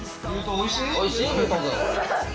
おいしい？